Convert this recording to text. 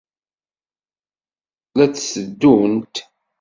La d-teddunt.